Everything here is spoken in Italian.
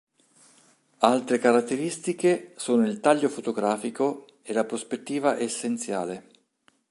Altre caratteristiche sono il taglio fotografico e la prospettiva essenziale.